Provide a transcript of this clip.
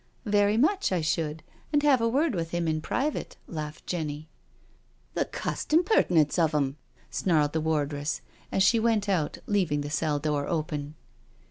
" Very much, I should, and have a word with him in private," laughed Jenny. " The cusst impertinence of 'em," snarled the ward ress, as she went out, leaving the cell door open.